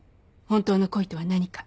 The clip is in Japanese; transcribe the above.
本当の恋とは何か。